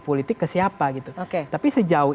politik ke siapa gitu oke tapi sejauh